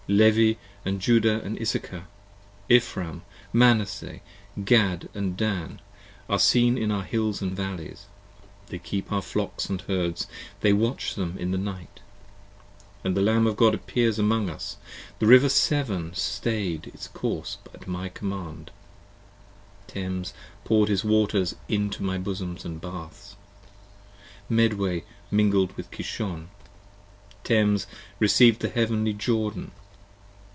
30 Levi and Judah & Issachar: Ephram, Manasseh, Gad and Dan Are seen in our hills & valleys: they keep our flocks & herds: They watch them in the night; and the Lamb of God appears among us. The river Severn stay'd his course at my command: Thames poured his waters into my basons and baths: 35 Medway mingled with Kishon: Thames reciev'd the heavenly Jordan.